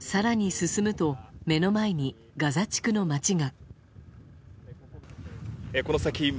更に進むと目の前にガザ地区の街が。